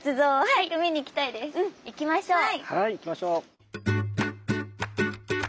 はい行きましょう。